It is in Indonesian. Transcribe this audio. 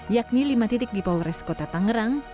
yakni lima titik di polres kota tangerang